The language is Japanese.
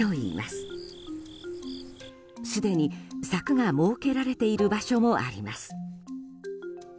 すでに柵が設けられている場所もあります。